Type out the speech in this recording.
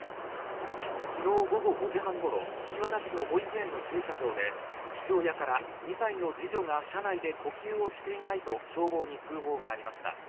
昨日午後５時半ごろ岸和田市の保育園の駐車場で父親から２歳の次女が車内で呼吸をしていないと消防に通報がありました。